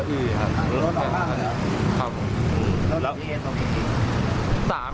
อื้อฮะ